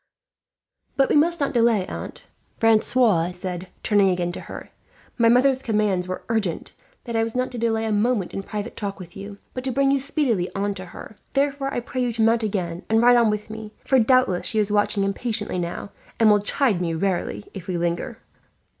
"But we must not delay, aunt," Francois said, turning again to her. "My mother's commands were urgent, that I was not to delay a moment in private talk with you, but to bring you speedily on to her; therefore I pray you to mount again and ride on with me, for doubtless she is watching impatiently now, and will chide me rarely, if we linger."